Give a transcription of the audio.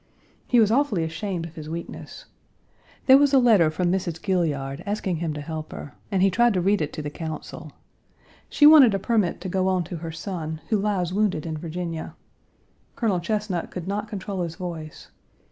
He was awfully ashamed of his weakness. There was a letter from Mrs. Gaillard asking him to help her, and he tried to read it to the Council. She wanted a permit to go on to her son, who lies wounded in Virginia. Colonel Chesnut could not control his voice.